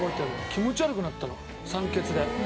気持ち悪くなったの酸欠で。